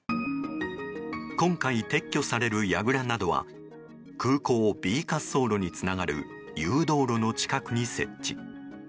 今回撤去されるやぐらなどは空港Ｂ滑走路につながる誘導路の近くに設置。